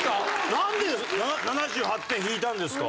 なんで７８点引いたんですか？